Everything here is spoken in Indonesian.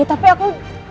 ya tapi aku